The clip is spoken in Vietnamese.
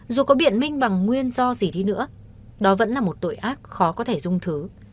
dù có biện minh bằng nguyên do gì đi nữa đó vẫn là một tội ác khó có thể dung thứ